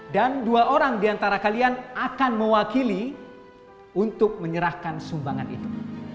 dan dua orang diantara kalian akan mewakili untuk menyerahkan sumbangan itu